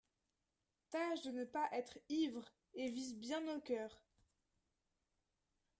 Tâche de ne pas être ivre, et vise bien au cœur.